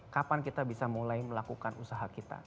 kapan kita bisa mulai melakukan usaha kita